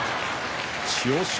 千代翔